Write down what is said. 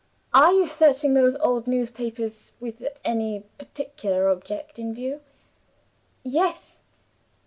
Are you searching those old newspapers with any particular object in view?" "Yes."